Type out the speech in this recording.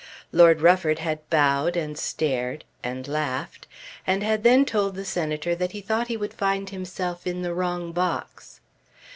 Lord Rufford had bowed and stared, and laughed, and had then told the Senator that he thought he would "find himself in the wrong box."